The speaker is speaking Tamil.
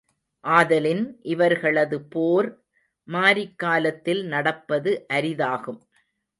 ஆதலின், இவர்களது போர், மாரிக் காலத்தில் நடப்பது அரிதாகும்.